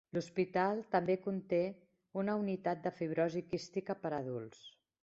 L'hospital també conté una Unitat de Fibrosi Quística per Adults.